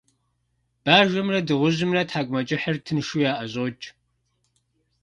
Бажэмрэ дыгъужьымрэ тхьэкIумэкIыхьыр тыншу яIэщIокI.